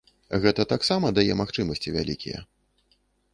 Гэта таксама дае магчымасці вялікія.